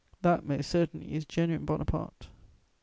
That most certainly is genuine Bonaparte.